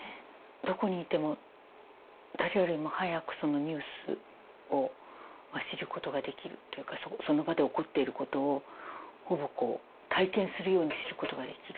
どこにいても誰よりも早くニュースを知ることができるというかその場で起こっていることをほぼ体験するように知ることができる。